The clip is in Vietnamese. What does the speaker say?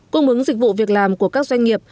cung ứng dịch vụ việc làm của các doanh nghiệp